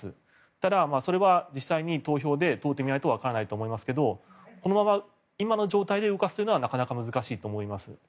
ただ、それは実際に投票で問うてみないとわからないと思いますがこのまま今の状態で動かすというのはなかなか難しいと思います。